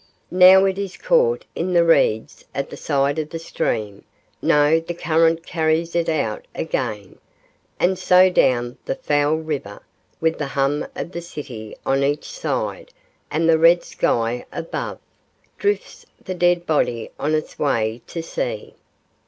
Now it is caught in the reeds at the side of the stream; no, the current carries it out again, and so down the foul river, with the hum of the city on each side and the red sky above, drifts the dead body on its way to the sea.